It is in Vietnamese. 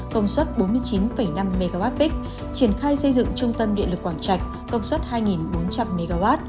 công suất bốn mươi chín năm mwp triển khai xây dựng trung tâm điện lực quảng trạch công suất hai bốn trăm linh mw